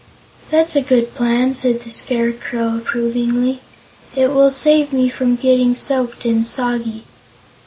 "That's a good plan," said the Scarecrow approvingly. "It will save me from getting soaked and soggy."